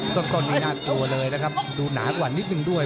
ต้นนี้น่ากลัวเลยนะครับดูหนากว่านิดนึงด้วย